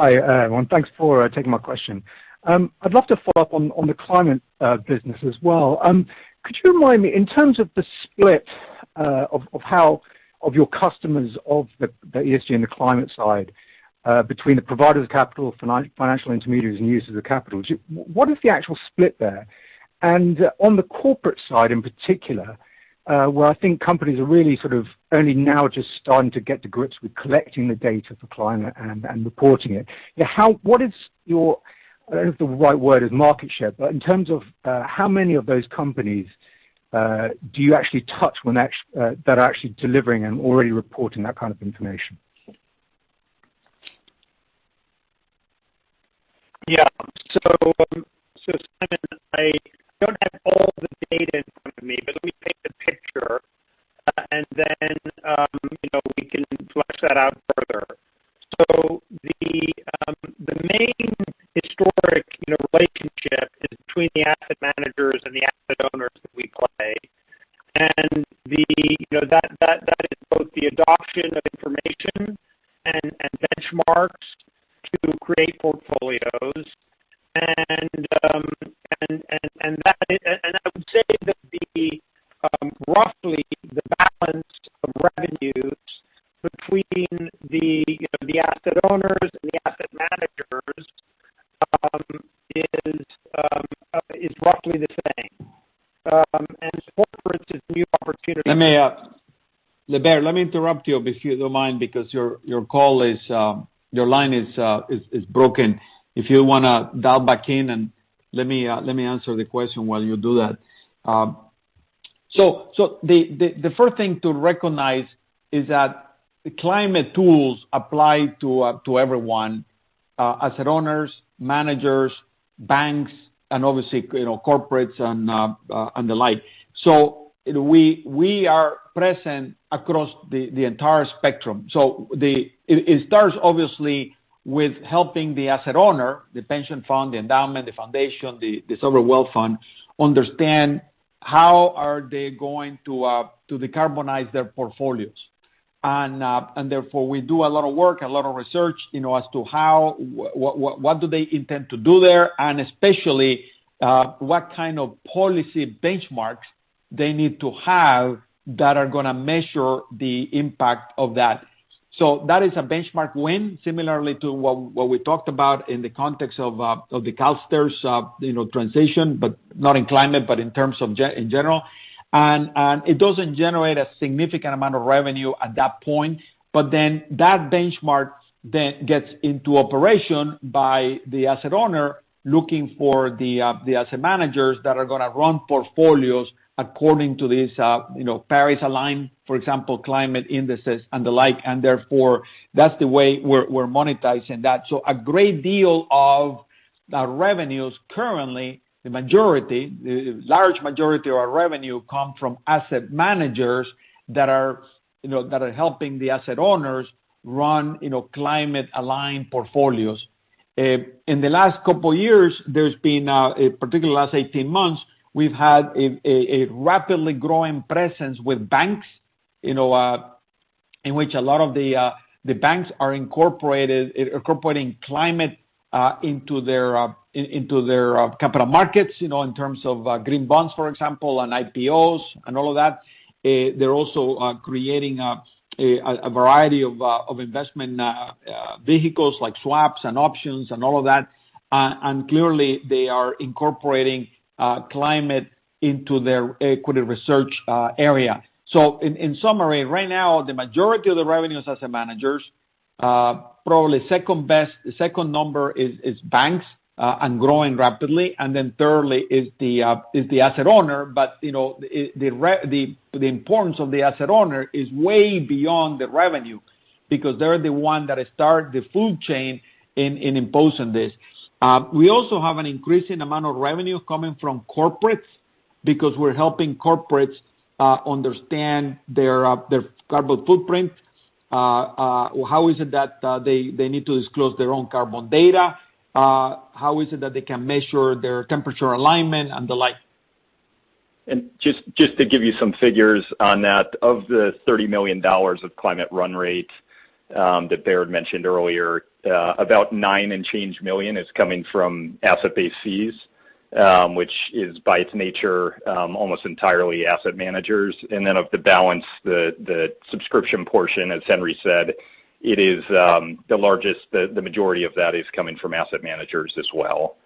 Hi, everyone. Thanks for taking my question. I'd love to follow-up on the climate business as well. Could you remind me, in terms of the split of your customers of the ESG and the climate side, between the providers of capital, financial intermediaries, and users of capital, what is the actual split there? On the corporate side in particular, where I think companies are really only now just starting to get to grips with collecting the data for climate and reporting it, what is your, I don't know if the right word is market share, but in terms of how many of those companies do you actually touch that are actually delivering and already reporting that kind of information? Yeah, Simon, I don't have all the data in front of me, but let me paint the picture, and then we can flesh that out further. The main historic relationship is between the asset managers and the asset owners that we play. That is both the adoption of information and benchmarks to create portfolios. I would say that roughly the balance of revenues between the asset owners and the asset managers is roughly the same. Corporates is a new opportunity. Let me Baer, let me interrupt you, if you don't mind, because your line is broken. If you want to dial back in, let me answer the question while you do that. The first thing to recognize is that the climate tools apply to everyone, asset owners, managers, banks, and obviously corporates and the like. We are present across the entire spectrum. It starts obviously with helping the asset owner, the pension fund, the endowment, the foundation, the sovereign wealth fund, understand how are they going to decarbonize their portfolios. Therefore, we do a lot of work, a lot of research, as to what do they intend to do there, and especially what kind of policy benchmarks they need to have that are going to measure the impact of that. That is a benchmark win, similarly to what we talked about in the context of the CalSTRS transition, but not in climate, but in terms of in general. It doesn't generate a significant amount of revenue at that point, but then that benchmark then gets into operation by the asset owner looking for the asset managers that are going to run portfolios according to these Paris-aligned, for example, climate indices and the like. Therefore, that's the way we're monetizing that. A great deal of the revenues currently, the majority, the large majority of our revenue come from asset managers that are helping the asset owners run climate-aligned portfolios. In the last couple of years, particularly the last 18 months, we've had a rapidly growing presence with banks, in which a lot of the banks are incorporating climate into their capital markets in terms of green bonds, for example, and IPOs and all of that. They're also creating a variety of investment vehicles like swaps and options and all of that. Clearly, they are incorporating climate into their equity research area. In summary, right now, the majority of the revenue is asset managers. Probably second best, the second number is banks, and growing rapidly. Then thirdly is the asset owner, but the importance of the asset owner is way beyond the revenue because they're the one that start the food chain in imposing this. We also have an increasing amount of revenue coming from corporates because we're helping corporates understand their carbon footprint, how is it that they need to disclose their own carbon data, how is it that they can measure their temperature alignment and the like. Just to give you some figures on that, of the $30 million of climate run rate that Baer mentioned earlier, about $9-and-change million is coming from asset-based fees, which is, by its nature, almost entirely asset managers. Then of the balance, the subscription portion, as Henry said, the majority of that is coming from asset managers as well.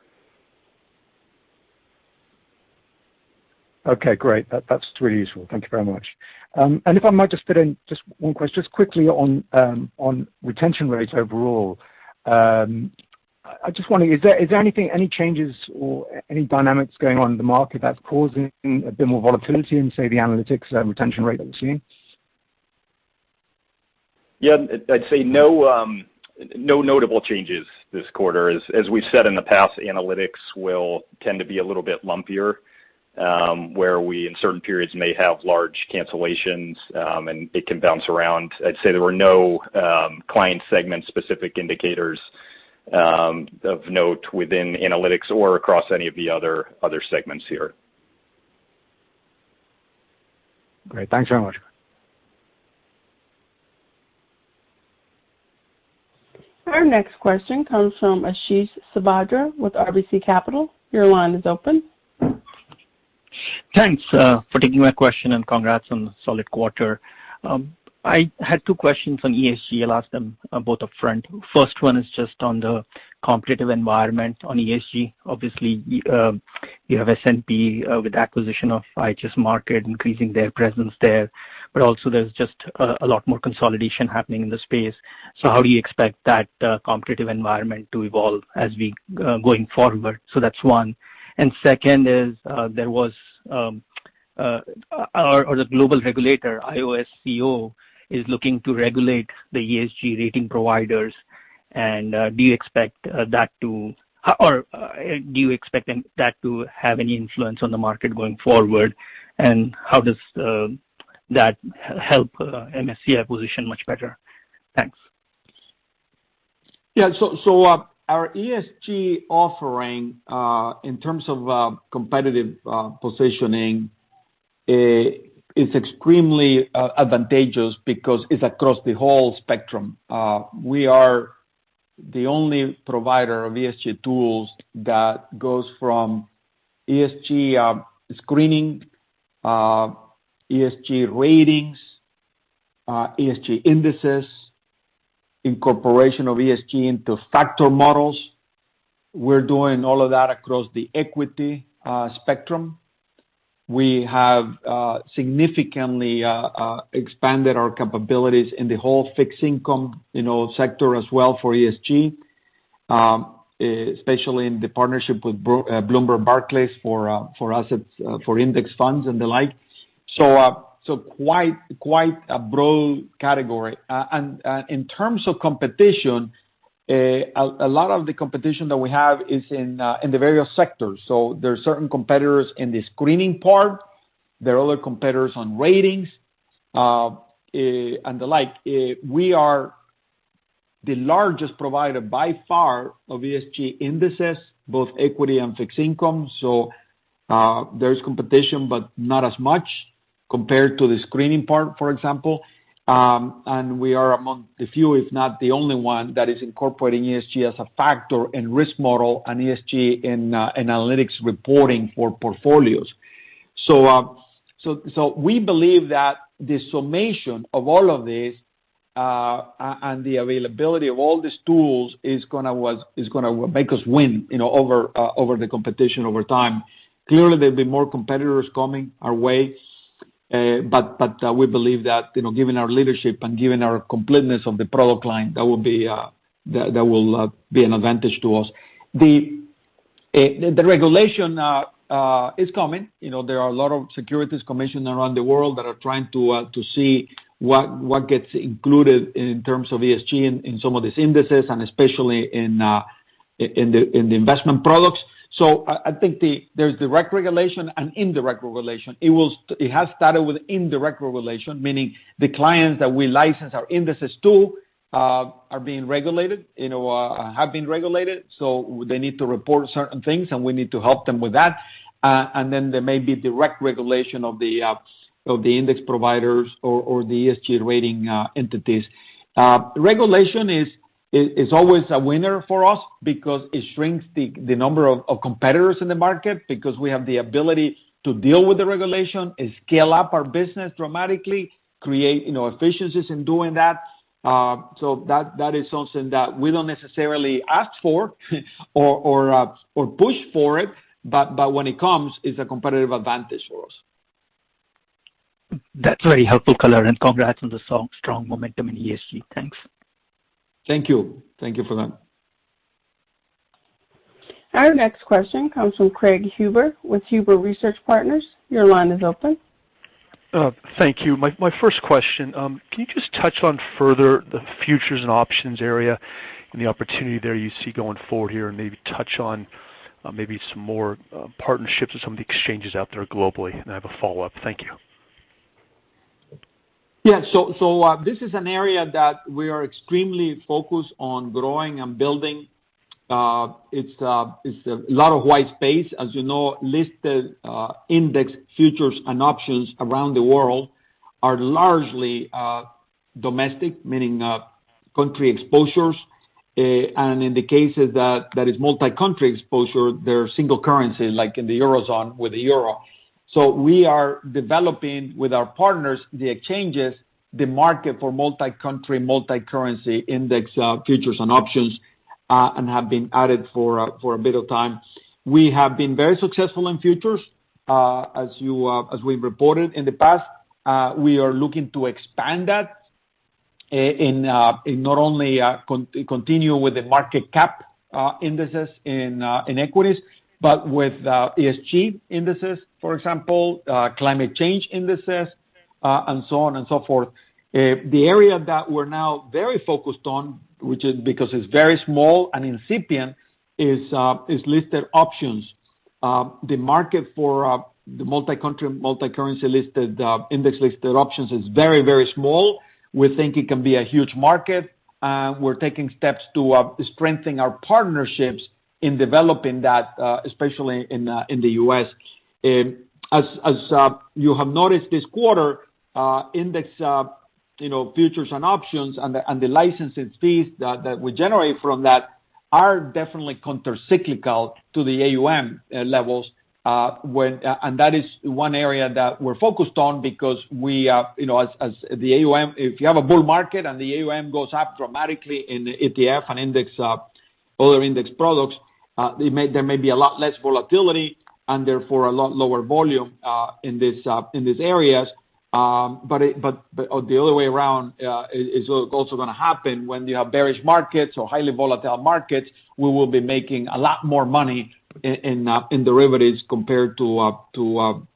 Okay, great. That's really useful. Thank you very much. If I might just fit in just one question, just quickly on retention rates overall. I just wonder, is there any changes or any dynamics going on in the market that's causing a bit more volatility in, say, the analytics retention rate that we're seeing? I'd say no notable changes this quarter. As we've said in the past, analytics will tend to be a little bit lumpier where we in certain periods may have large cancellations, and it can bounce around. I'd say there were no client segment-specific indicators of note within analytics or across any of the other segments here. Great. Thanks very much. Our next question comes from Ashish Sabadra with RBC Capital. Your line is open. Thanks for taking my question. Congrats on the solid quarter. I had two questions on ESG. I'll ask them both up front. First one is just on the competitive environment on ESG. Obviously, you have S&P with acquisition of IHS Markit increasing their presence there, but also there's just a lot more consolidation happening in the space. How do you expect that competitive environment to evolve going forward? That's one. Second is, the global regulator, IOSCO, is looking to regulate the ESG rating providers. Do you expect that to have any influence on the market going forward? How does that help MSCI position much better? Thanks. Yeah. Our ESG offering, in terms of competitive positioning, is extremely advantageous because it's across the whole spectrum. We are the only provider of ESG tools that goes from ESG screening, ESG ratings, ESG indices, incorporation of ESG into factor models. We're doing all of that across the equity spectrum. We have significantly expanded our capabilities in the whole fixed income sector as well for ESG, especially in the partnership with Bloomberg Barclays for index funds and the like. Quite a broad category. In terms of competition, a lot of the competition that we have is in the various sectors. There are certain competitors in the screening part. There are other competitors on ratings and the like. We are the largest provider by far of ESG indices, both equity and fixed income. There is competition, but not as much compared to the screening part, for example. We are among the few, if not the only one, that is incorporating ESG as a factor in risk model and ESG in analytics reporting for portfolios. We believe that the summation of all of this, and the availability of all these tools is going to make us win over the competition over time. Clearly, there'll be more competitors coming our way. We believe that given our leadership and given our completeness of the product line, that will be an advantage to us. The regulation is coming. There are a lot of securities commissions around the world that are trying to see what gets included in terms of ESG in some of these indices, and especially in the investment products. I think there's direct regulation and indirect regulation. It has started with indirect regulation, meaning the clients that we license our indices to are being regulated, have been regulated. They need to report certain things, and we need to help them with that. There may be direct regulation of the index providers or the ESG rating entities. Regulation is always a winner for us because it shrinks the number of competitors in the market because we have the ability to deal with the regulation and scale up our business dramatically, create efficiencies in doing that. That is something that we don't necessarily ask for or push for it, but when it comes, it's a competitive advantage for us. That's very helpful color, and congrats on the strong momentum in ESG. Thanks. Thank you. Thank you for that. Our next question comes from Craig Huber with Huber Research Partners. Your line is open. Thank you. My first question, can you just touch on further the futures and options area and the opportunity there you see going forward here, and maybe touch on maybe some more partnerships with some of the exchanges out there globally? I have a follow-up. Thank you. This is an area that we are extremely focused on growing and building. It's a lot of white space. As you know, listed index futures and options around the world are largely domestic, meaning country exposures. In the cases that is multi-country exposure, they're single currency, like in the Eurozone with the euro. We are developing with our partners, the exchanges, the market for multi-country, multi-currency index futures and options, and have been at it for a bit of time. We have been very successful in futures, as we've reported in the past. We are looking to expand that in not only continue with the market cap indices in equities, but with ESG indices, for example, climate change indices and so on and so forth. The area that we're now very focused on, which is because it's very small and incipient, is listed options. The market for the multi-country, multi-currency listed, index listed options is very small. We think it can be a huge market. We're taking steps to strengthening our partnerships in developing that, especially in the U.S. As you have noticed this quarter, index futures and options, the licensing fees that we generate from that are definitely counter-cyclical to the AUM levels. That is one area that we're focused on because if you have a bull market and the AUM goes up dramatically in the ETF and other index products, there may be a lot less volatility, and therefore, a lot lower volume in these areas. The other way around is also going to happen when you have bearish markets or highly volatile markets, we will be making a lot more money in derivatives compared to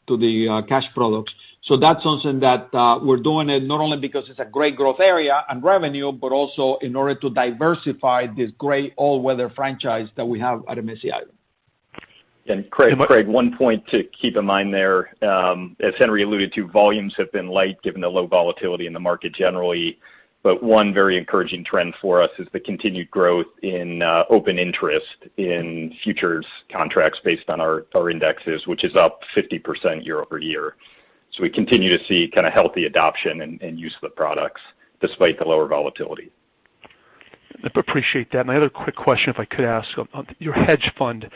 the cash products. That's something that we're doing, not only because it's a great growth area and revenue, but also in order to diversify this great all-weather franchise that we have at MSCI. Craig, one point to keep in mind there, as Henry alluded to, volumes have been light given the low volatility in the market generally. One very encouraging trend for us is the continued growth in open interest in futures contracts based on our indices, which is up 50% year-over-year. We continue to see healthy adoption and use of the products despite the lower volatility. Appreciate that. My other quick question, if I could ask, on your hedge fund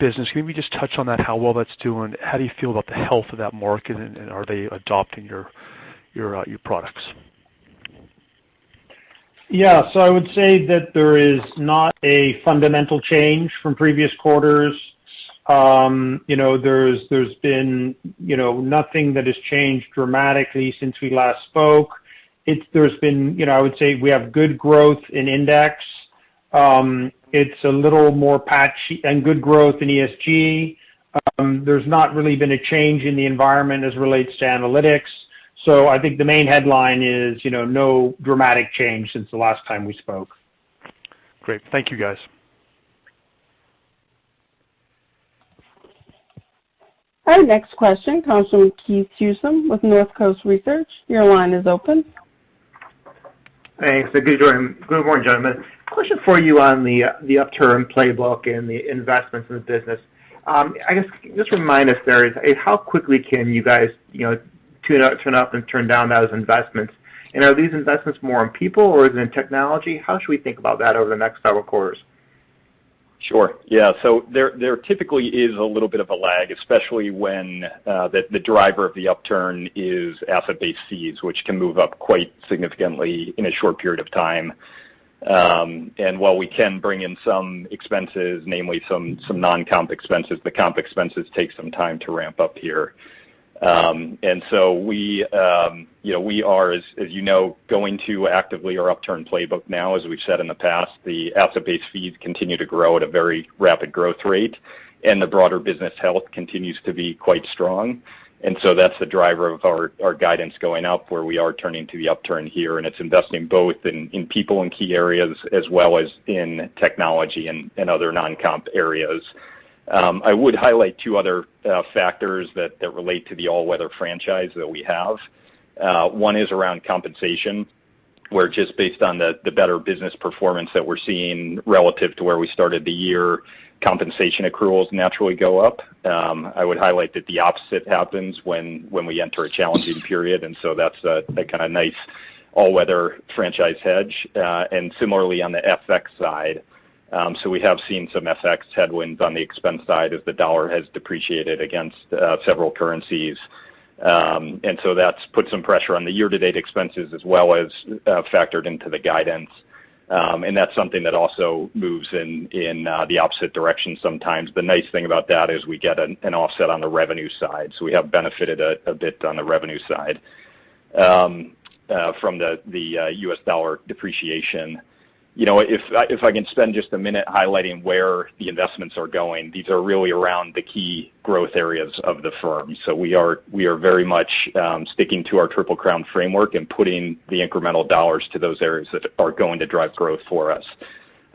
business, can you maybe just touch on that, how well that's doing? How do you feel about the health of that market, and are they adopting your products? Yeah. I would say that there is not a fundamental change from previous quarters. There's been nothing that has changed dramatically since we last spoke. I would say we have good growth in Index. It's a little more patchy and good growth in ESG. There's not really been a change in the environment as it relates to analytics. I think the main headline is, no dramatic change since the last time we spoke. Great. Thank you, guys. Our next question comes from Keith Housum with Northcoast Research. Your line is open. Thanks. Good morning, gentlemen. Question for you on the upturn playbook and the investments in the business. I guess, just remind us there, how quickly can you guys turn up and turn down those investments? Are these investments more on people or is it in technology? How should we think about that over the next several quarters? Sure. Yeah. There typically is a little bit of a lag, especially when the driver of the upturn is asset-based fees, which can move up quite significantly in a short period of time. While we can bring in some expenses, namely some non-comp expenses, the comp expenses take some time to ramp up here. We are, as you know, going to actively our upturn playbook now, as we've said in the past. The asset-based fees continue to grow at a very rapid growth rate, and the broader business health continues to be quite strong. That's the driver of our guidance going up, where we are turning to the upturn here, and it's investing both in people in key areas, as well as in technology and other non-comp areas. I would highlight two other factors that relate to the all-weather franchise that we have. One is around compensation, where just based on the better business performance that we're seeing relative to where we started the year, compensation accruals naturally go up. I would highlight that the opposite happens when we enter a challenging period, that's a kind of nice all-weather franchise hedge. Similarly, on the FX side. We have seen some FX headwinds on the expense side as the dollar has depreciated against several currencies. That's put some pressure on the year-to-date expenses as well as factored into the guidance. That's something that also moves in the opposite direction sometimes. The nice thing about that is we get an offset on the revenue side. We have benefited a bit on the revenue side from the U.S. dollar depreciation. If I can spend just a minute highlighting where the investments are going, these are really around the key growth areas of the firm. We are very much sticking to our Triple-Crown framework and putting the incremental dollars to those areas that are going to drive growth for us.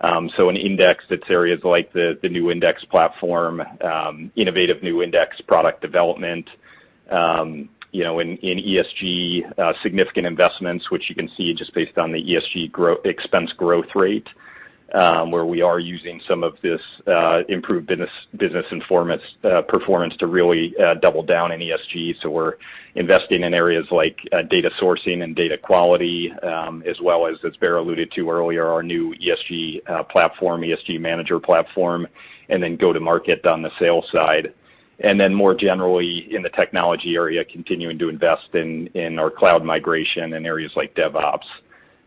In index, it's areas like the new index platform, innovative new index product development. In ESG, significant investments, which you can see just based on the ESG expense growth rate, where we are using some of this improved business performance to really double down in ESG. We're investing in areas like data sourcing and data quality, as well as Baer alluded to earlier, our new ESG platform, ESG Manager platform, and then go to market on the sales side. More generally in the technology area, continuing to invest in our cloud migration in areas like DevOps.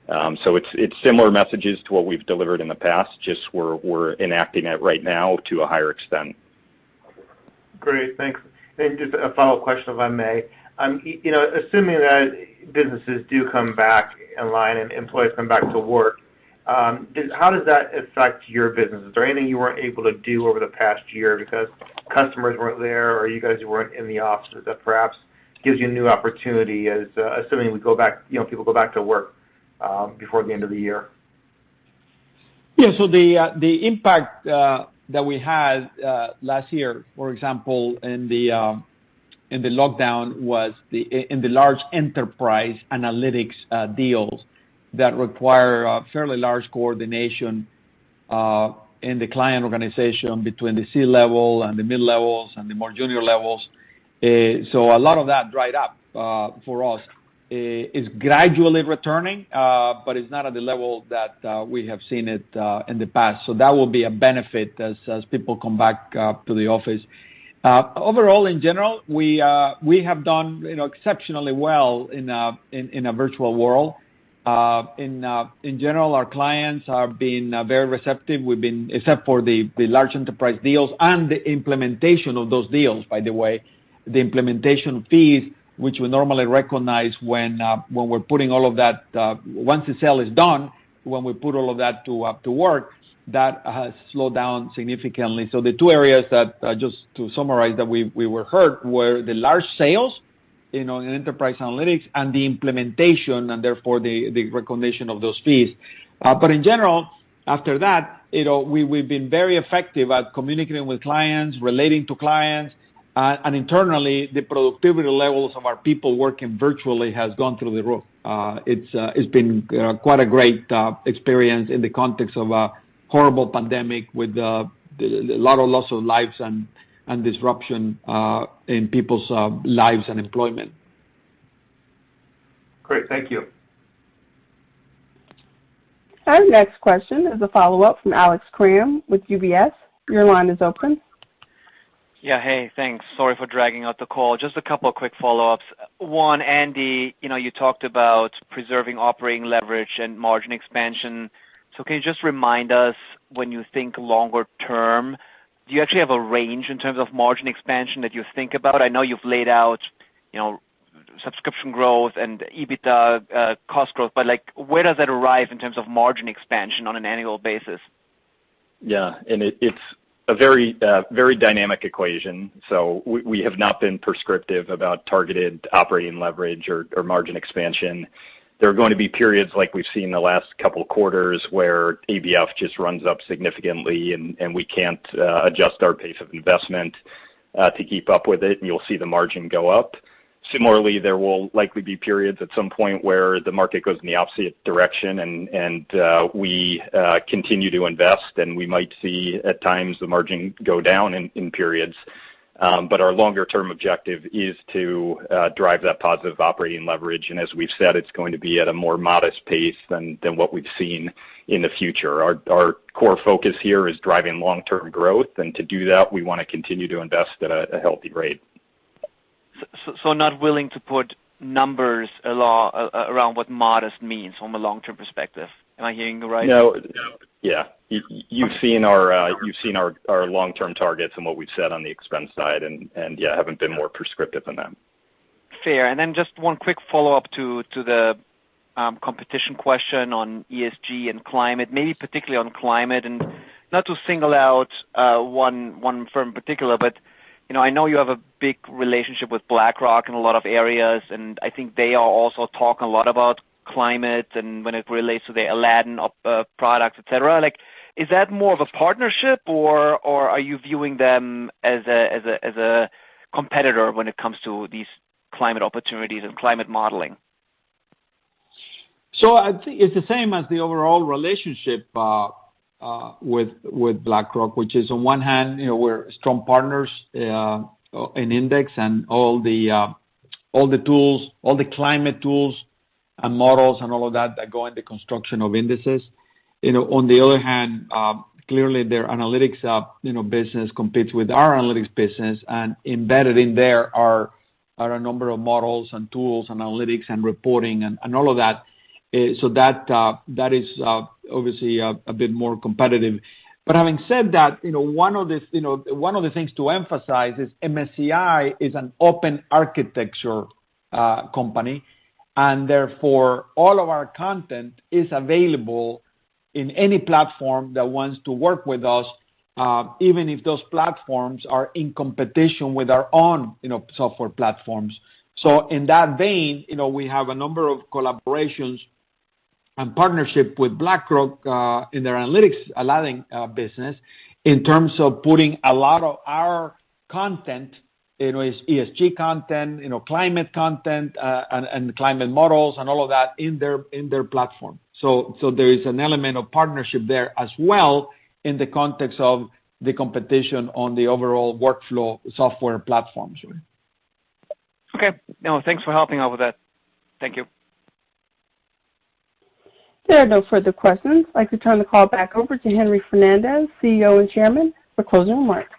It's similar messages to what we've delivered in the past. Just we're enacting it right now to a higher extent. Great. Thanks. Just a follow-up question, if I may. Assuming that businesses do come back online and employees come back to work, how does that affect your business? Is there anything you weren't able to do over the past year because customers weren't there or you guys weren't in the office that perhaps gives you a new opportunity as assuming people go back to work before the end of the year? Yeah. The impact that we had last year, for example, in the lockdown was in the large enterprise analytics deals that require a fairly large coordination in the client organization between the C-level and the mid-levels and the more junior levels. A lot of that dried up for us. It's gradually returning, but it's not at the level that we have seen it in the past. That will be a benefit as people come back up to the office. Overall, in general, we have done exceptionally well in a virtual world. In general, our clients are being very receptive except for the large enterprise deals and the implementation of those deals, by the way. The implementation fees, which we normally recognize once the sale is done, when we put all of that to work, that has slowed down significantly. The two areas that, just to summarize, that we were hurt were the large sales in enterprise analytics and the implementation, and therefore the recognition of those fees. In general, after that, we've been very effective at communicating with clients, relating to clients, and internally, the productivity levels of our people working virtually has gone through the roof. It's been quite a great experience in the context of a horrible pandemic with a lot of loss of lives and disruption in people's lives and employment. Great. Thank you. Our next question is a follow-up from Alex Kramm with UBS. Your line is open. Yeah. Hey, thanks. Sorry for dragging out the call. Just a couple of quick follow-ups. One, Andy, you talked about preserving operating leverage and margin expansion. Can you just remind us when you think longer term, do you actually have a range in terms of margin expansion that you think about? I know you've laid out subscription growth and EBITDA cost growth, where does that arrive in terms of margin expansion on an annual basis? Yeah. It's a very dynamic equation. We have not been prescriptive about targeted operating leverage or margin expansion. There are going to be periods like we've seen in the last couple of quarters where ABF just runs up significantly, and we can't adjust our pace of investment to keep up with it, and you'll see the margin go up. Similarly, there will likely be periods at some point where the market goes in the opposite direction and we continue to invest, and we might see at times the margin go down in periods. Our longer-term objective is to drive that positive operating leverage, and as we've said, it's going to be at a more modest pace than what we've seen in the future. Our core focus here is driving long-term growth, and to do that, we want to continue to invest at a healthy rate. Not willing to put numbers around what modest means from a long-term perspective. Am I hearing you right? No. Yeah. You've seen our long-term targets and what we've said on the expense side, and yeah, haven't been more prescriptive than that. Fair. Then just one quick follow-up to the competition question on ESG and climate, maybe particularly on climate, and not to single out one firm in particular, but I know you have a big relationship with BlackRock in a lot of areas, and I think they are also talking a lot about climate and when it relates to the Aladdin products, et cetera. Is that more of a partnership, or are you viewing them as a competitor when it comes to these climate opportunities and climate modeling? I think it's the same as the overall relationship with BlackRock, which is on one hand, we're strong partners in index and all the climate tools and models and all of that that go in the construction of indices. On the other hand, clearly their analytics business competes with our analytics business, and embedded in there are a number of models and tools and analytics and reporting and all of that. That is obviously a bit more competitive. Having said that, one of the things to emphasize is MSCI is an open architecture company, and therefore, all of our content is available in any platform that wants to work with us, even if those platforms are in competition with our own software platforms. In that vein, we have a number of collaborations and partnership with BlackRock in their analytics, Aladdin business, in terms of putting a lot of our content, ESG content, climate content, and climate models and all of that in their platform. There is an element of partnership there as well in the context of the competition on the overall workflow software platforms. Okay. No, thanks for helping out with that. Thank you. There are no further questions. I'd like to turn the call back over to Henry Fernandez, CEO and Chairman, for closing remarks.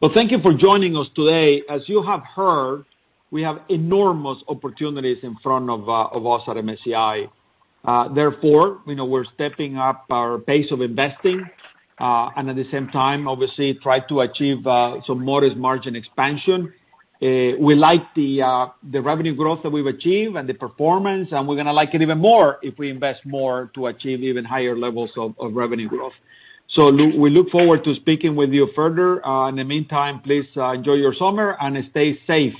Well, thank you for joining us today. As you have heard, we have enormous opportunities in front of us at MSCI. We're stepping up our pace of investing, and at the same time, obviously, try to achieve some modest margin expansion. We like the revenue growth that we've achieved and the performance, and we're going to like it even more if we invest more to achieve even higher levels of revenue growth. We look forward to speaking with you further. In the meantime, please enjoy your summer and stay safe.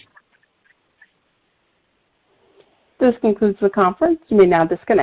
This concludes the conference. You may now disconnect.